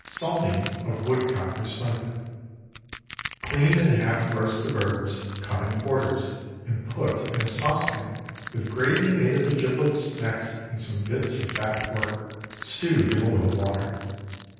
SALMI OF WOODCOCK OR SNIPE. Clean and half roast the birds; cut in quarters, and put in a saucepan with gravy made of the giblets, necks, and some bits of fat pork, stewed in a little water.